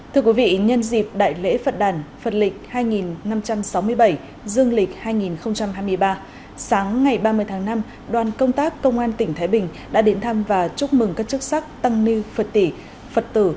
thưa quý vị nhân dịp đại lễ phật đàn phật lịch hai năm trăm sáu mươi bảy dương lịch hai nghìn hai mươi ba sáng ngày ba mươi tháng năm đoàn công tác công an tỉnh thái bình đã đến thăm và chúc mừng các chức sắc tăng ni phật tử phật tử